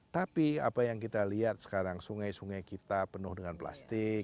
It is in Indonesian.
tapi apa yang kita lihat sekarang sungai sungai kita penuh dengan plastik